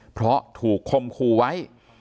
เพราะถูกคมคู่ไว้